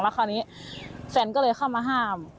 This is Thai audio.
คราวนี้แฟนก็เลยเข้ามาห้าม